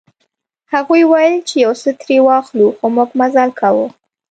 هغوی ویل چې یو څه ترې واخلو خو موږ مزل کاوه.